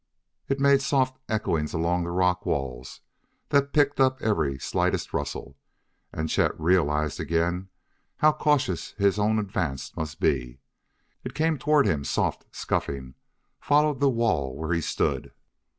It made soft echoings along rock walls that picked up every slightest rustle, and Chet realized again how cautious his own advance must be. It came toward him, soft, scuffing, followed the wall where he stood